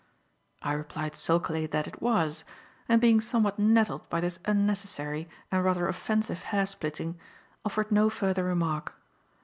I replied sulkily that it was; and being somewhat nettled by this unnecessary and rather offensive hairsplitting, offered no further remark.